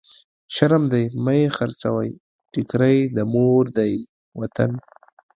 شرم دی مه يې خرڅوی، ټکری د مور دی وطن.